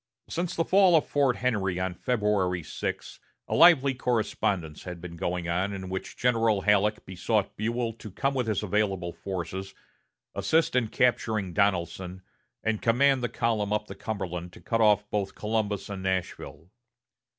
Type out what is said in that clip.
Since the fall of Fort Henry on February 6, a lively correspondence had been going on, in which General Halleck besought Buell to come with his available forces, assist in capturing Donelson, and command the column up the Cumberland to cut off both Columbus and Nashville.